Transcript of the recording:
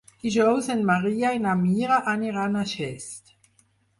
Dijous en Maria i na Mira aniran a Xest.